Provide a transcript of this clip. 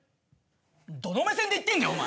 どの目線で言ってんだよお前！